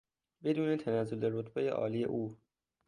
بدون تنزل رتبهی عالی او